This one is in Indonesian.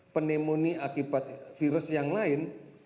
penemoni akibat virus yang lainnya